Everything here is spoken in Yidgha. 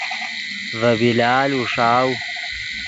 ڤے بلال اوݰاؤ